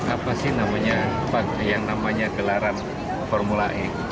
apa sih namanya yang namanya gelaran formula e